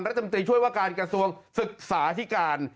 รัฐมนตรีช่วยว่าการกระทรวงศึกษาที่การ